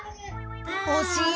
おしい！